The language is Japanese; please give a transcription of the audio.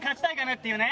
っていうね。